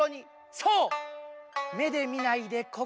そう！